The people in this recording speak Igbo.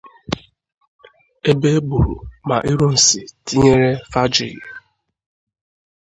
ebe e gburu ma Ironsi tinyere Fajuyi